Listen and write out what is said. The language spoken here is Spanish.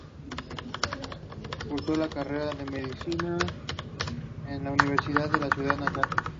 Cursó la carrera de medicina en la Universidad de su ciudad natal.